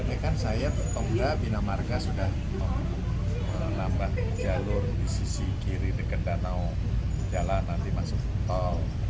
ini kan saya pemuda bina marga sudah menambah jalur di sisi kiri dekat danau jalan nanti masuk tol